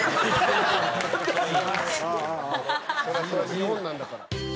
日本なんだから。